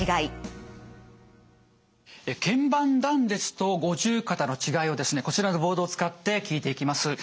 腱板断裂と五十肩の違いをですねこちらのボードを使って聞いていきます。